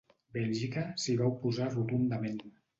Bèlgica s’hi va oposar rotundament.